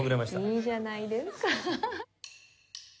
いいじゃないですか。